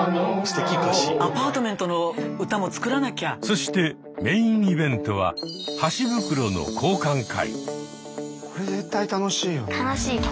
そしてメインイベントは「箸袋の交換会」。